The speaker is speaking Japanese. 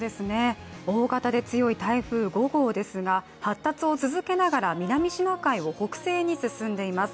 大型で強い台風５号ですが、発達を続けながら南シナ海を北西に進んでいます。